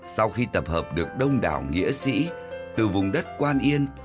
sau khi tập hợp được đông đảo nghĩa sĩ từ vùng đất quan yên